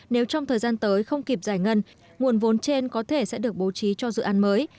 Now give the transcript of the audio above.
nếu trong thời gian tới không kịp giải ngân nguồn vốn trên có thể sẽ được bố trí cho dự án mới